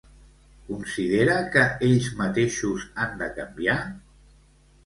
Considera que ells mateixos han de canviar?